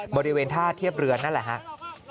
บริเวณท่าเทียบเรือนั่นแหละครับ